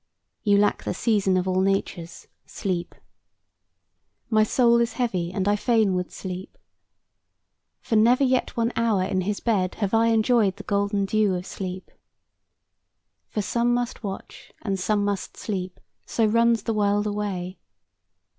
"You lack the season of all natures, sleep." "My soul is heavy, and I fain would sleep." "For never yet one hour in his bed Have I enjoyed the golden dew of sleep." "For some must watch and some must sleep, So runs the world away."